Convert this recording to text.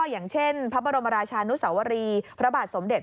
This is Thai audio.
อย่างเช่นพระบรมราชานุสวรีพระบาทสมเด็จ